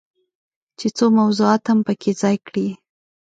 چې څو موضوعات هم پکې ځای کړي.